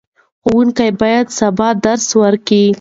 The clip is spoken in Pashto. ښوونکي به سبا درس ورکوي.